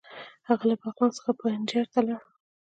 هغه له بغلان څخه پنجهیر ته ځي.